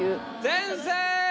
先生！